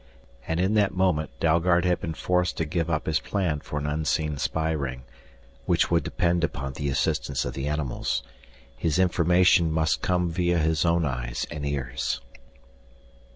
And in that moment Dalgard had been forced to give up his plan for an unseen spy ring, which would depend upon the assistance of the animals. His information must come via his own eyes and ears.